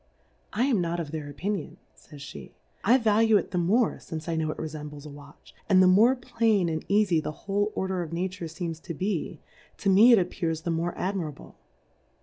I am not of their Opinion, jGy^j/;^, I value it the morq fince I knov^ it refembles a Watch, and the more plain and eafy the whole order of Nature feems to be, to me it appears the more admirable.